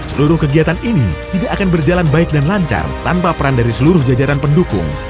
seluruh kegiatan ini tidak akan berjalan baik dan lancar tanpa peran dari seluruh jajaran pendukung